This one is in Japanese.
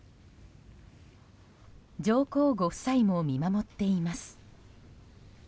上皇ご夫妻も見守っています。